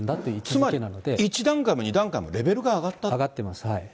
つまり、１段階も２段階もレベルが上がった？